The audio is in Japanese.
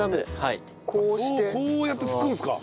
こうやって作るんですか。